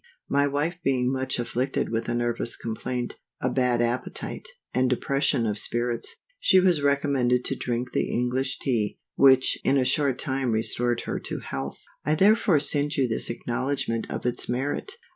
MY wife being much afflicted with a nervous complaint, a bad appetite, and depression of spirits, she was recommended to drink the English Tea, which in a short time restored her to health I therefore send you this acknowledgment of its merit.